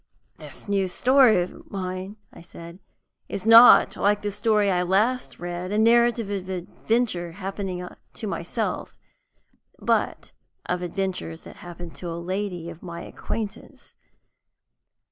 "This new story of mine," I said, "is not, like the story I last read, a narrative of adventure happening to myself, but of adventures that happened to a lady of my acquaintance.